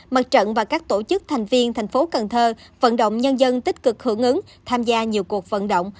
mặt trận và các tổ chức thành viên thành phố cần thơ vận động nhân dân tích cực hưởng ứng tham gia nhiều cuộc vận động